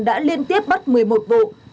đã liên tiếp bắt một mươi một vụ